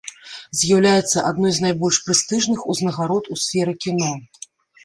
З'яўляецца адной з найбольш прэстыжных узнагарод у сферы кіно.